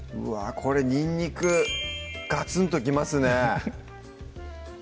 これにんにくガツンときますね